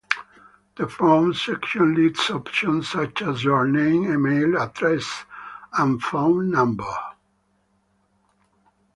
The form section lists options such as your name, email address and phone number.